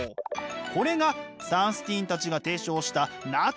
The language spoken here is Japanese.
これがサンスティーンたちが提唱したナッジなのです。